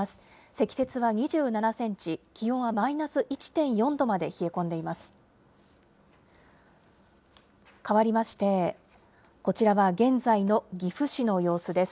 積雪は２７センチ、気温はマイナス１．４度まで冷え込んでいます。